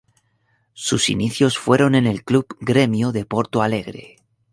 Sus inicios fueron en el club Grêmio de Porto Alegre.